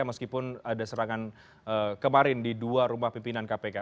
meskipun ada serangan kemarin di dua rumah pimpinan kpk